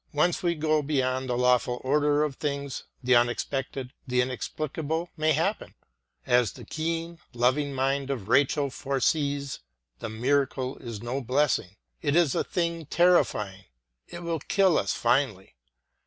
Once we go beyond the lawful order of things, the unexpected, the inexplicable may happen. As the keen, loving mind of Rachel foresees: *'The miracle is no blessing; it is a thing terrifying. ... it will kill us finally!'